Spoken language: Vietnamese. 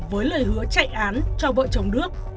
với lời hứa chạy án cho vợ chồng đức